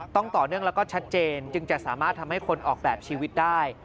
ต่อเนื่องแล้วก็ชัดเจนจึงจะสามารถทำให้คนออกแบบชีวิตได้